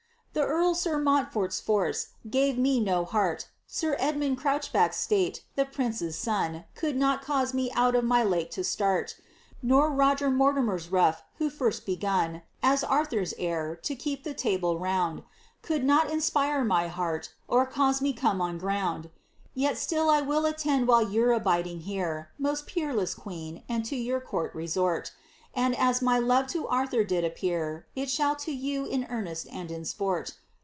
The earl sir Montfort*s* force gave me no heart. Sir Edmund Crouchback's state, the prince*s son Could not cause me out of my lake to ttart. Nor Roger Mortimer's ruffe who first begun, (As Arthur's heir,)' to keep the table round. Could not inspire my heart, or cause me come on ground. Yet still I will attend while you're abiding here. Most peerless queen, and to your court resort; And as my love to Arthur did appear, It shall to you in earnest and in sport.